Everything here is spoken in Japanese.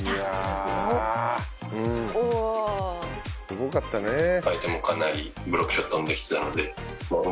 「すごかったね」